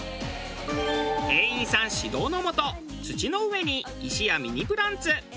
店員さん指導のもと土の上に石やミニプランツ